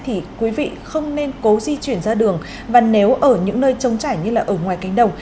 thì quý vị không nên cố di chuyển ra đường và nếu ở những nơi chống chảy như ở ngoài cánh đồng